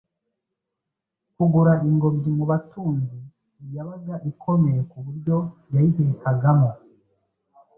kugura ingobyi mu batunzi. Yabaga ikomeye ku buryo yayihekagamo